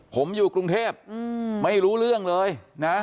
ผมอยู่กรุงเทพไม่รู้เรื่องเลยนะ